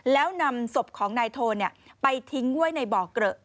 แล้วนำศพของนายโทนไปทิ้งไว้ในบ่อเกลอะ